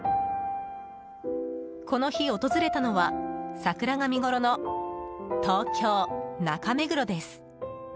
この日、訪れたのは桜が見ごろの東京・中目黒です。